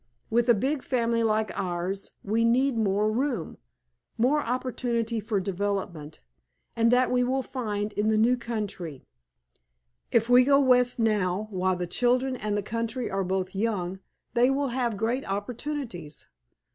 With a big family like ours we need room, more opportunity for development, and that we will find in the new country. If we go west now, while the children and the country are both young they will have great opportunities.